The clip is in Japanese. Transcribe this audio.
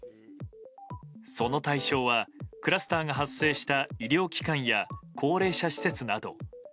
その対象は、クラスターが発生した医療機関や高齢者施設など。